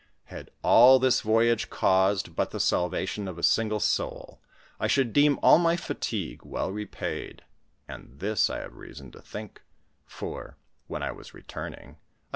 Had all this voyage caused but the salvation of a single Boul, I should deem all my fatigue well repaid, and this I have reason to think, for, when I was returning, I passed by the Indians of Peoria.